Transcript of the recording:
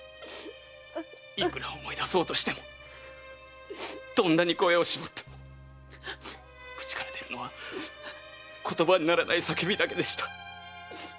いくら思い出そうとしてもどんなに声を絞っても口から出るのは言葉にならない叫びだけでした！